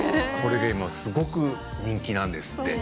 今すごく人気なんですって。